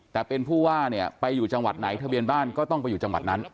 แต่เป็นผู้ว่าเนี่ยไปอยู่จังหวัดไหนทะเบียนบ้านก็ต้องไปอยู่จังหวัดนั้น